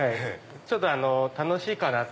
ちょっと楽しいかな。